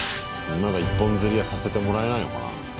まだ一本釣りはさせてもらえないのかな？